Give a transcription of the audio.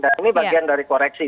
dan ini bagian dari koreksi